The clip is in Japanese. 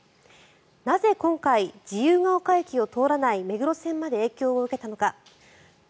なぜ今回、自由が丘駅を通らない目黒線まで影響を受けたのか。